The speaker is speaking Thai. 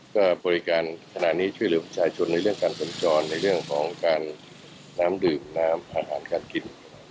ก็บริการขณะนี้ช่วยเหลือประชาชนในเรื่องการสัญจรในเรื่องของการน้ำดื่มน้ำอาหารการกิน